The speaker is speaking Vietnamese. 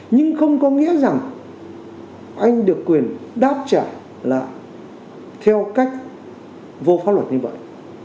nhưng không có nghĩa rằng anh được quyền đáp trả là theo cách vô pháp luật như vậy